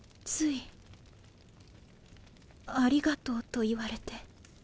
「ありがとう」と言われて。